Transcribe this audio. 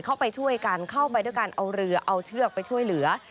เข้าไปช่วยกันเข้าไปด้วยการเอาเรือเอาเชือกไปช่วยเหลือ